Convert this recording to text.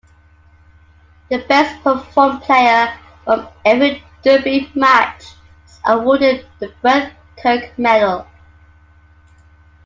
The best performed player from every derby match is awarded the Brett Kirk Medal.